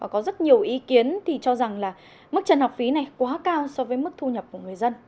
có rất nhiều ý kiến thì cho rằng là mức trần học phí này quá cao so với mức thu nhập của người dân